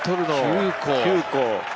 ９個？